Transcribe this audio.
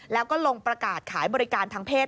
แล้วก็ลงประกาศขายบริการทางเพศ